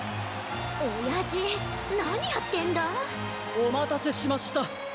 おまたせしました。